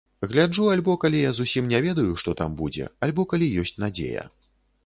Гляджу альбо калі я зусім не ведаю, што там будзе, альбо калі ёсць надзея.